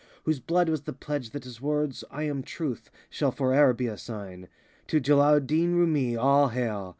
80 Whose blood was the pledge that his words, / am Truth, shall fore'er be a sign. To Jelal'ud Din Rumi,* all hail!